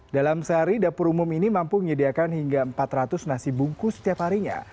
dalam sehari dapur umum ini mampu menyediakan hingga empat ratus nasi bungkus setiap harinya